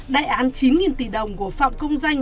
đại án chín tỷ đồng của phạm công danh